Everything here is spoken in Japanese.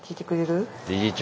理事長。